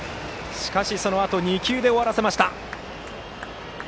しかし、そのあと２球で終わらせました。